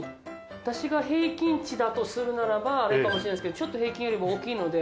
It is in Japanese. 私を平均値だとするならば、あれかもしれないですけど、ちょっと平均より大きいので。